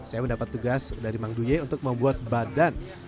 saya mendapat tugas dari mang duye untuk membuat badan